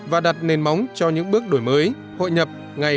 và đặt nền móng cho những bước đổi mới hội nhập ngày